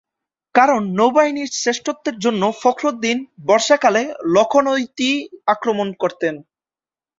কারণ, নৌবাহিনীর শ্রেষ্ঠত্বের জন্য ফখরউদ্দীন বর্ষাকালে লখনৌতি আক্রমণ করতেন।